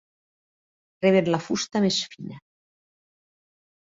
Reben la fusta més fina.